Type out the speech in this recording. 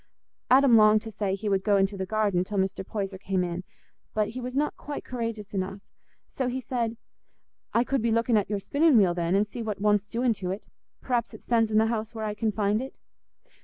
Adam longed to say he would go into the garden till Mr. Poyser came in, but he was not quite courageous enough, so he said, "I could be looking at your spinning wheel, then, and see what wants doing to it. Perhaps it stands in the house, where I can find it?"